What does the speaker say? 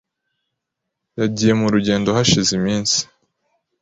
Yagiye mu rugendo hashize iminsi .